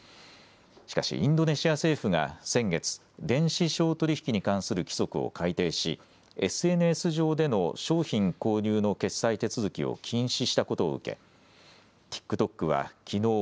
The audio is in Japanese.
しかしインドネシア政府が先月、電子商取引に関する規則を改定しＳＮＳ上での商品購入の決済手続きを禁止したことを受けＴｉｋＴｏｋはきのう